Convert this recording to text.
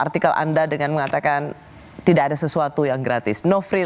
tidak ada sesuatu yang gratis